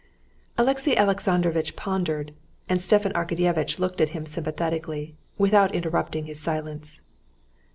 Alexey Alexandrovitch pondered, and Stepan Arkadyevitch looked at him sympathetically, without interrupting his silence.